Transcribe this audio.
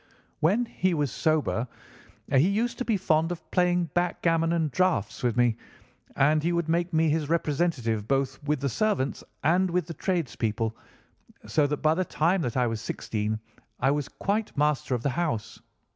When he was sober he used to be fond of playing backgammon and draughts with me, and he would make me his representative both with the servants and with the tradespeople, so that by the time that I was sixteen I was quite master of the house.